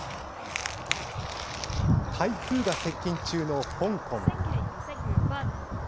台風が接近中の香港。